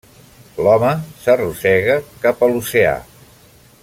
L'home s'arrossega cap a l'oceà.